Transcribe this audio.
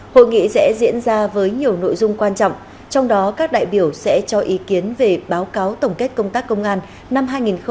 hội nghị sẽ diễn ra với nhiều nội dung quan trọng trong đó các đại biểu sẽ cho ý kiến về báo cáo tổng kết công tác công an năm hai nghìn hai mươi ba